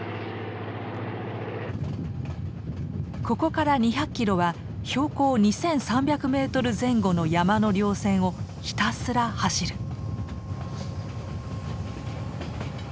ここから２００キロは標高２，３００メートル前後の山の稜線をひたすら走る。